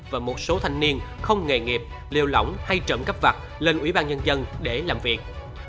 và một số thanh niên không nghề nghiệp liều lỏng hay trộm cắp vặt lên ủy ban nhân dân để làm việc